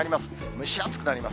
蒸し暑くなります。